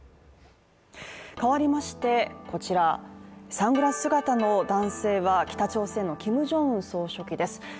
変わりまして、こちら、サングラス姿の男性は北朝鮮のキム・ジョンウン総書記です。